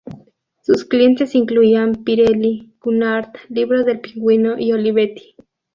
Sus clientes incluían Pirelli, Cunard, libros del pingüino y Olivetti.